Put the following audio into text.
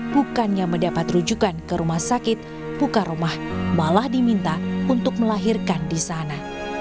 bukannya mendapat rujukan ke rumah sakit buka rumah malah diminta untuk melahirkan di sana